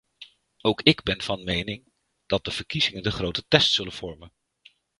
Ook ik ben van mening dat de verkiezingen de grote test zullen vormen.